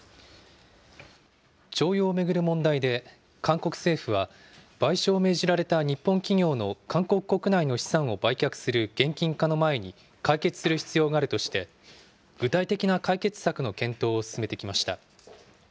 徴用を巡る問題で、韓国政府は賠償を命じられた日本企業の韓国国内の資産を売却する現金化の前に解決する必要があるとして、具体的な解決策の検討を進めてきました。